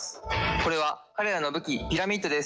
これは彼らの武器ピラミッドです。